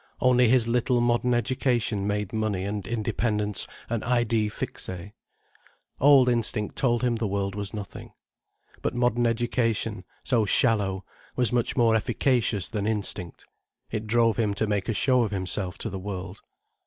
Only his little modern education made money and independence an idée fixe. Old instinct told him the world was nothing. But modern education, so shallow, was much more efficacious than instinct. It drove him to make a show of himself to the world.